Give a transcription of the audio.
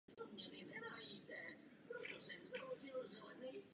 Nastoupil jako člen do výboru pro zahraniční záležitosti a obranu a do výboru práce.